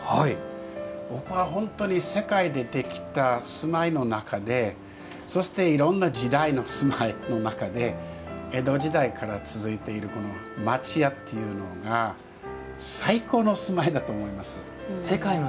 僕は本当に、世界でできた住まいの中でそして、いろんな時代の住まいの中で江戸時代から続いているこの町家というのが最高の住まいだと思います。